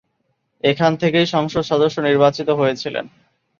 এখান থেকেই সংসদ সদস্য নির্বাচিত হয়েছিলেন।